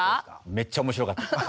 めっちゃ面白かったです。